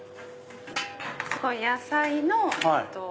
すごい野菜の。